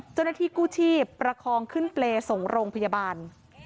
เจ้าหน้าที่กู้ชีพประคองขึ้นเปรย์ส่งโรงพยาบาล